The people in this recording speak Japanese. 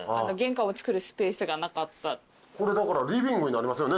これだからリビングになりますよね